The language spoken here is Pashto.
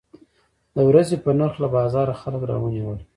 د ورځې په نرخ له بازاره خلک راونیول.